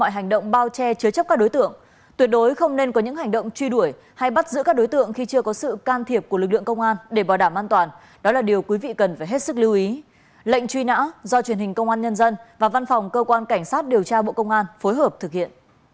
hãy đăng ký kênh để ủng hộ kênh của chúng mình nhé